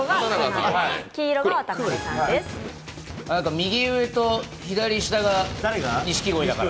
右上と左下が錦鯉だから。